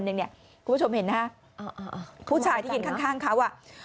คุณผู้ชมเห็นฮะผู้ชายที่ค่ายเขา